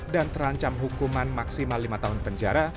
dan terancam hukuman maksimal lima tahun penjara